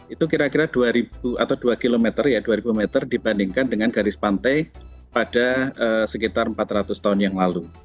itu kira kira dua ribu atau dua km ya dua ribu meter dibandingkan dengan garis pantai pada sekitar empat ratus tahun yang lalu